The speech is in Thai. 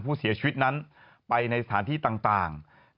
ผู้เสียชีวิตนั้นไปในสถานที่ต่าง